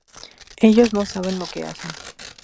Ellos no saben lo que hacen".